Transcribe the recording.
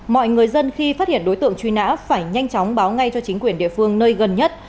mọi người dân khi phát hiện đối tượng truy nã phải nhanh chóng báo ngay cho chính quyền địa phương nơi gần nhất